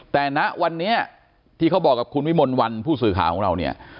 แต่ณวันนี้ที่เขาบอกกับคุณวิมลวันผู้สื่อข่าวของเราเนี่ย